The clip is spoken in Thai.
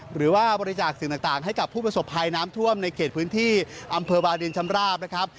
หรือว่าบริจาคสิ่งต่างให้กับผู้ประสบภัยน้ำท่วมในเขตพื้นที่อำเภอวาลินชำราบนะครับ